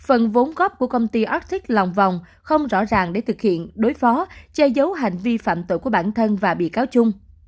arctic lòng vòng không rõ ràng để thực hiện đối phó che giấu hành vi phạm tội của bản thân và bị cáo trung